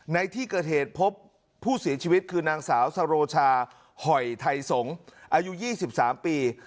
ในที่เกิดเหตุพบผู้เสียชีวิตคือนางสาวสโรชาหอยไทยสงศ์อายุ๒๓ปี